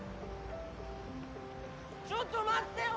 ちょっと待ってよ